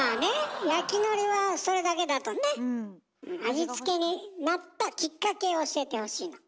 味付けになったきっかけを教えてほしいの。